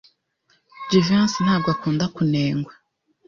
Jivency ntabwo akunda kunengwa.